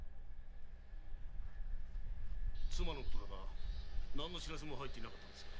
⁉妻のことだが何の報せも入っていなかったのですか？